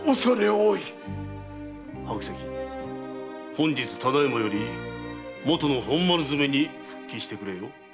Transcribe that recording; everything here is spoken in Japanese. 本日ただ今より元の本丸詰めに復帰してくれ。